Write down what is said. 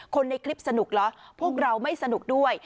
คนในคลิปสนุกเหรอพวกเราไม่สนุกด้วย